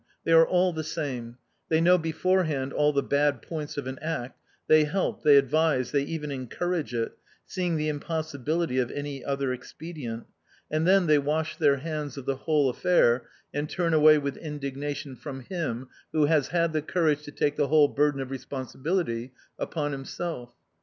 They are all the same: they know beforehand all the bad points of an act, they help, they advise, they even encourage it, seeing the impossibility of any other expedient and then they wash their hands of the whole affair and turn away with indignation from him who has had the courage to take the whole burden of responsibility upon himself.